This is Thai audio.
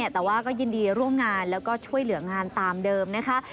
แต่ว่าก็ยินดีร่วมงานแล้วก็ช่วยเหลืองานตามเดิมนะคะ